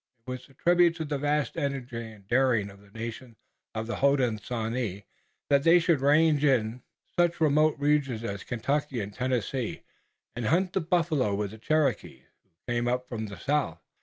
It was a tribute to the vast energy and daring of the nations of the Hodenosaunee that they should range in such remote regions as Kentucky and Tennessee and hunt the buffalo with the Cherokees, who came up from the south.